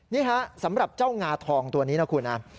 นี่ฮะสำหรับเจ้างาทองตัวนี้นะคุณนะ